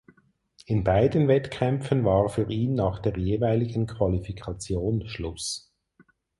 In beiden Wettkämpfen war für ihn nach der jeweiligen Qualifikation Schluss.